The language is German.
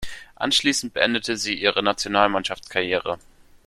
Anschließend beendete sie ihre Nationalmannschaftskarriere.